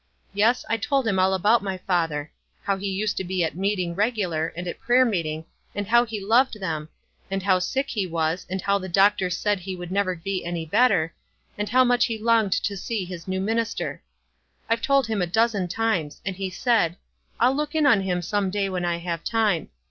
Yes, 1 told him all about my father — how he used to be at meeting regular, and at prayer ^neeti ng, and how he loved them, and how sick be was, and how the doctor said he would never oe any better, and how much he longed to see his new minister. I've told him a dozen times, and he said, 'I'll look in on him some day when I have time.'